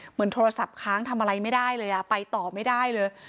เหมือนโทรศัพท์ค้างทำอะไรไม่ได้เลยไปต่อไม่ได้เลย